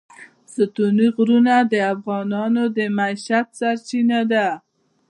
ستوني غرونه د افغانانو د معیشت سرچینه ده.